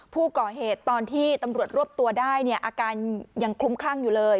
ตอนที่ตำรวจรวบตัวได้เนี่ยอาการยังคลุ้มคลั่งอยู่เลย